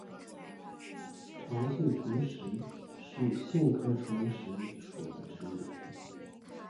长穗虫实是苋科虫实属的植物。